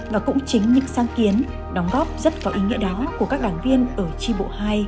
và cũng chính những sáng kiến đóng góp rất có ý nghĩa đó của các đảng viên ở tri bộ hai